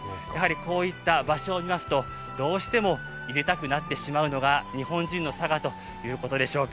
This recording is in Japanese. こういった場所を見ますとどうしても入れたくなってしまうのが日本人のさがということでしょうか。